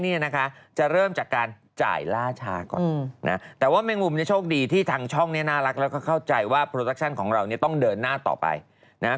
ถูกไหมฮะว่าเขาจ่ายเงินให้ตั้งเขาทั้งเขาอ้องการให้มุมมีปัญหา